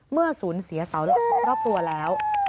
เมื่อศูนย์เสียสาวรอบตัวแล้ว